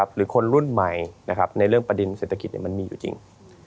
หรือคนรุ่นใหม่ในเรื่องประเด็นเศรษฐกิจมันมีอยู่จริง